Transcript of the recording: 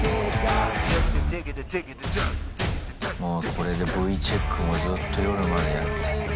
これでＶチェックもずっと夜までやって。